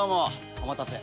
お待たせ。